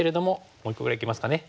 もう１個ぐらいいけますかね。